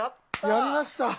やりました。